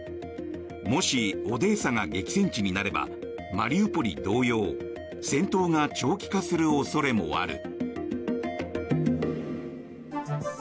もし、オデーサが激戦地になればマリウポリ同様戦闘が長期化する恐れもある。